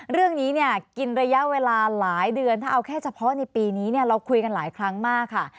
เรื่องนี้เนี่ยกินระยะเวลาหลายเดือนถ้าเอาแค่เฉพาะในปีนี้เราคุยกันหลายครั้งมากค่ะ